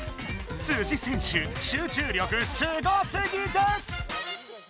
選手集中力すごすぎです！